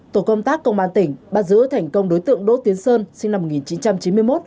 tổ công tác công an tỉnh bắt giữ thành công đối tượng đỗ tiến sơn sinh năm một nghìn chín trăm chín mươi một